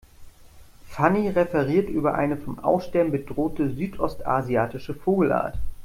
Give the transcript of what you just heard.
Fanny referiert über eine vom Aussterben bedrohte südostasiatische Vogelart.